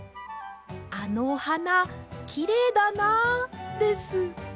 あのおはなきれいだなあです。